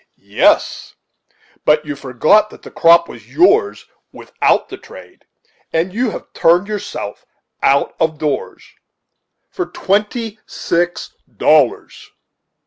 "Yes, but you forgot that the crop was yours without the trade, and you have turned yourself out of doors for twenty six dollars."